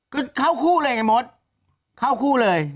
ก็เข้าคู่เลยไงมดเข้าคู่เลย